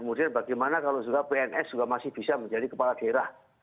kemudian bagaimana kalau juga pns juga masih bisa menjadi kepala daerah